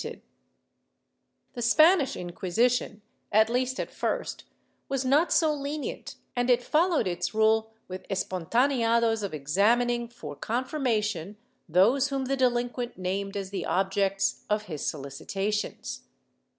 VI] SELF DENUNCIATION J 31 The Spanish Inquisition, at least at first, was not so lenient and it followed its rule with espontcmeados of examining for confir mation those whom the delinquent named as the objects of his solicitations.